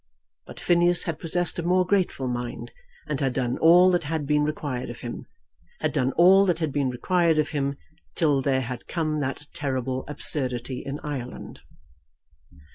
But Phineas had possessed a more grateful mind, and had done all that had been required of him; had done all that had been required of him till there had come that terrible absurdity in Ireland.